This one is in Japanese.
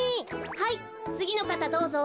はいつぎのかたどうぞ。